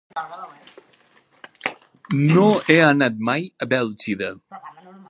No he anat mai a Bèlgida.